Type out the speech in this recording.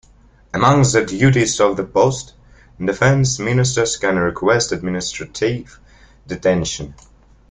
Amongst the duties of the post, Defense Ministers can request administrative detention.